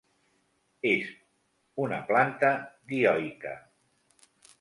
És una planta dioica.